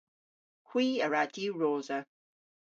Hwi a wra diwrosa.